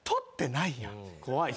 怖い。